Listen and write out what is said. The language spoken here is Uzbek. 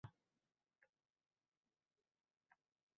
slida noqulay boʻlganidan aldayotgan boʻlishadi